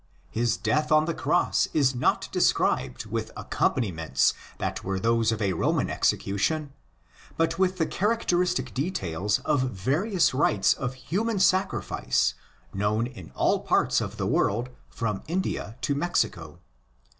His death on the cross is not described with accompaniments that were those of a Roman execution, but with the characteristic details of various rites of human sacrifice known in all parts of the world from India to Mexico.